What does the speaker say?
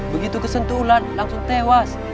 begitu kesentuh ulat langsung tewas